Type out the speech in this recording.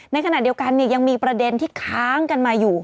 ในขณะเดียวกันยังมีประเด็นที่ค้างกันมาอยู่